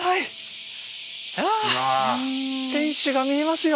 あ天守が見えますよ！